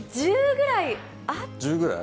１０ぐらい。